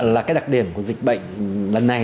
là cái đặc điểm của dịch bệnh lần này